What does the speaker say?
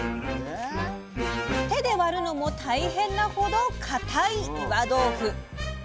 手で割るのも大変なほど固い岩豆腐。